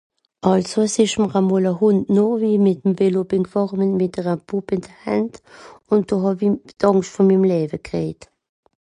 Àlso es ìsch mr e mol e Hùnd noch, wie i e mol Velo bin gfàhre mìt ere Bùbb ìn de Händ, do hàw i d'Àngscht vù mim Läwe kriejt.